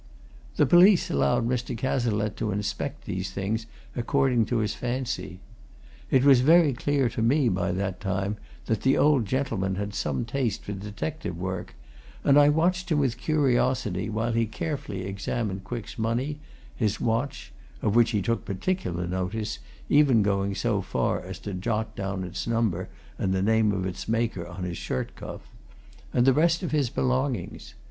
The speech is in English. The police allowed Mr. Cazalette to inspect these things according to his fancy. It was very clear to me by that time that the old gentleman had some taste for detective work, and I watched him with curiosity while he carefully examined Quick's money, his watch (of which he took particular notice, even going so far as to jot down its number and the name of its maker on his shirt cuff), and the rest of his belongings.